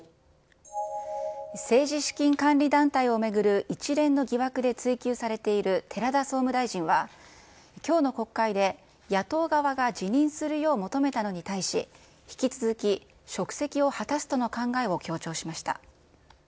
政治資金管理団体を巡る一連の疑惑で追及されている寺田総務大臣は、きょうの国会で、野党側が辞任するよう求めたのに対し、引き続き、職責を果たすとの考えを強調しました。